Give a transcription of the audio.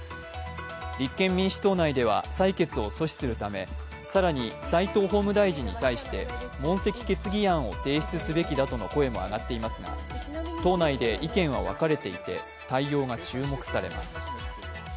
立憲民主党内では採決を阻止するため更に齋藤法務大臣に対して問責決議案を提出すべきだとの声も上がっていますが党内で意見は分かれていて対応が注目されます。